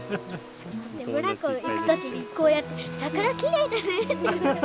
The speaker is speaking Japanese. ブランコ行く時にこうやって「桜きれいだね！」って。